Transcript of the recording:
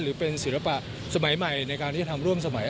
หรือเป็นศิลปะสมัยใหม่ในการที่จะทำร่วมสมัย